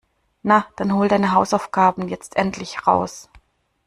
Na, dann hol deine Hausaufgaben jetzt endlich raus.